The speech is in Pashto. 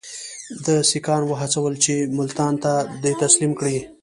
ده سیکهان وهڅول چې ملتان ده ته تسلیم کړي.